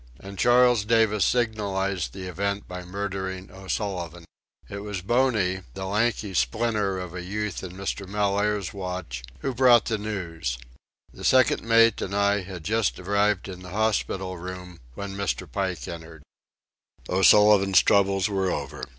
And Charles Davis signalized the event by murdering O'Sullivan. It was Boney, the lanky splinter of a youth in Mr. Mellaire's watch, who brought the news. The second mate and I had just arrived in the hospital room, when Mr. Pike entered. O'Sullivan's troubles were over.